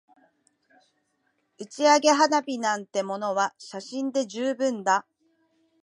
打ち上げ花火なんてものは写真で十分だ